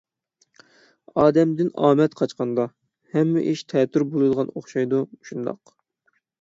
ئادەمدىن ئامەت قاچقاندا، ھەممە ئىش تەتۈر بولىدىغان ئوخشايدۇ مۇشۇنداق!